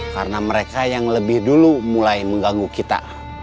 karena mereka yang lebih dulu mulai mengganggu kita